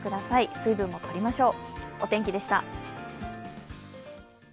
水分もとりましょう。